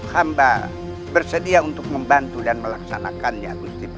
hamba bersedia untuk membantu dan melaksanakannya gusti prabu